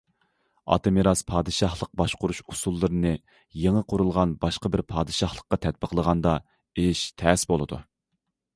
ئاتا مىراس پادىشاھلىق باشقۇرۇش ئۇسۇللىرىنى يېڭى قۇرۇلغان باشقا بىر پادىشاھلىققا تەتبىقلىغاندا، ئىش تەس بولىدۇ.